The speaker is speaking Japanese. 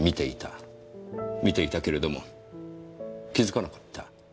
見ていたけれども気づかなかった。